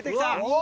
お！